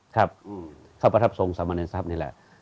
ครับเข้าประทับทรงสามเนรทรัพย์นี่แหละ